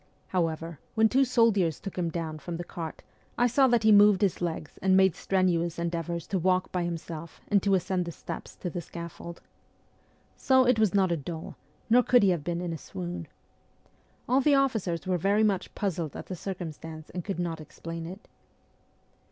However, when two soldiers took him down from the cart I saw that he moved his legs and made strenuous endeavours to walk by himself and to ascend the steps of the scaffold. So it was not a doll, nor could he have been in a swoon. All the officers were very much puzzled at the circumstance and could not explain it.'